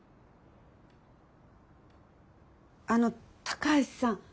あの高橋さん。